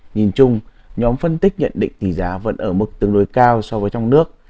nhìn chung nhóm phân tích nhận định tỷ giá vẫn ở mức tương đối cao so với trong nước